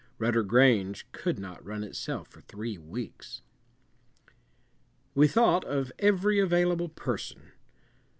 Rudder Grange could not run itself for three weeks. We thought of every available person.